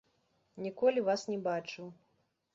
Ніколі вас не бачыў.